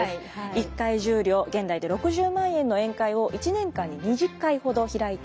１回１０両現代で６０万円の宴会を１年間に２０回ほど開いていたとされています。